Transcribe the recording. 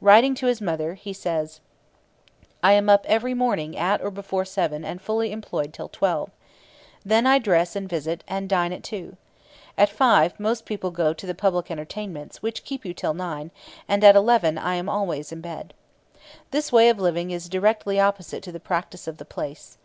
Writing to his mother he says: I am up every morning at or before seven and fully employed till twelve. Then I dress and visit, and dine at two. At five most people go to the public entertainments, which keep you till nine; and at eleven I am always in bed. This way of living is directly opposite to the practice of the place.